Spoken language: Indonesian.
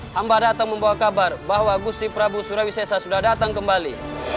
hamba datang membawa kabar bahwa gusti prabu surawisesa sudah datang kembali